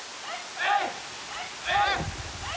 えい！